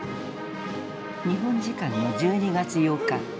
日本時間の１２月８日。